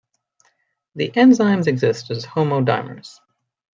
The enzymes exist as homodimers.